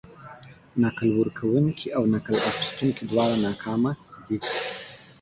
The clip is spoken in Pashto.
نکل ورکونکي او نکل اخيستونکي دواړه ناکامه دي.